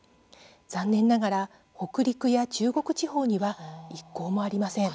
残念ながら北陸や中国地方には１校もありません。